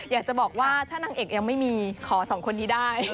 อยากจะบอกว่าถ้านางเอกยังไม่มีขอสองคนนี้ได้